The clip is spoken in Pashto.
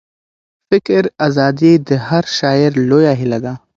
فکري ازادي د هر شاعر لویه هیله ده.